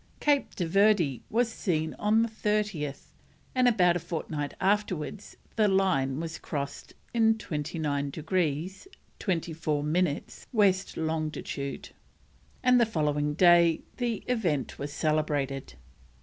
Cape de Verde was seen on the 30th, and about a fortnight afterwards the line was crossed in 29 degrees 24 minutes West longitude, and the following day the event was celebrated.